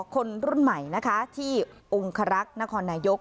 คนรุ่นใหม่นะคะที่องครักษ์นครนายก